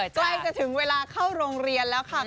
ใกล้จะถึงเวลาเข้าโรงเรียนแล้วค่ะ